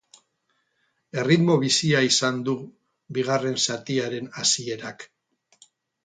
Erritmo bizia izan du bigarren zatiaren hasierak.